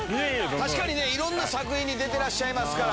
確かにね、いろんな作品に出てらっしゃいますから。